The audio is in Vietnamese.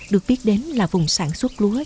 được biết đến là vùng sản xuất lúa